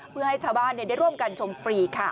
เพื่อให้ชาวบ้านได้ร่วมกันชมฟรีค่ะ